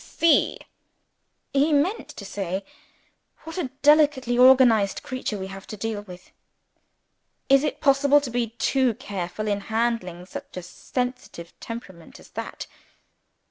"See" (he meant to say), "what a delicately organized creature we have to deal with! Is it possible to be too careful in handling such a sensitive temperament as that?"